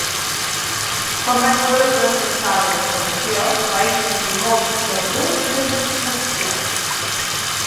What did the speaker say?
Quan vaig poder processar la informació, vaig sentir molt d’orgull i de satisfacció.